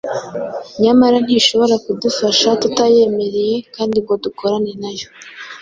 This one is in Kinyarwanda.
Nyamara ntishobora kudufasha tutayemereye kandi ngo dukorane na yo.